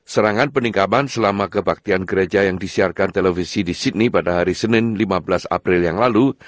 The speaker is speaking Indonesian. serangan peninggapan selama kebaktian gereja yang disiarkan televisi di sydney pada hari senin lima belas april yang lalu